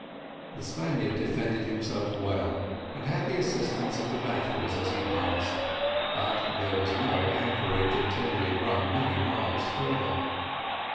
The Spaniard defended himself well, and had the assistance of the batteries as he passed, but there was no anchorage until he had run many miles farther.